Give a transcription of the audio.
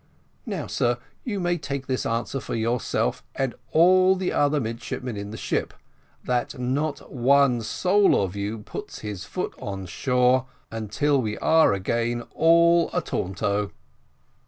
Now, sir, you may take this answer for yourself and all the other midshipmen in the ship, that not one soul of you puts his foot on shore until we are all a taunto."